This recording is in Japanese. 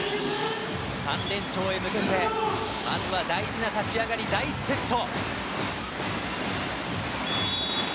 ３連勝へ向けて、まずは大事な立ち上がり、第１セット。